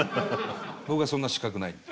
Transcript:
僕はそんな資格ないんで。